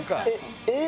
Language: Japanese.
えっ？